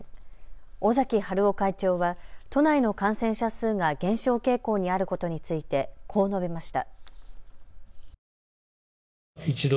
尾崎治夫会長は都内の感染者数が減少傾向にあることについてこう述べました。